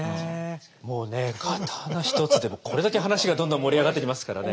もうね刀一つでこれだけ話がどんどん盛り上がっていきますからね。